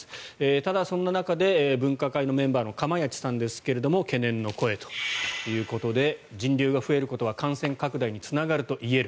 ただ、そんな中で分科会のメンバーの釜萢さんですが懸念の声ということで人流が増えることは感染拡大につながるといえる。